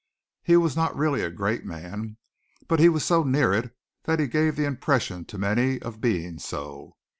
He was not really a great man, but he was so near it that he gave the impression to many of being so.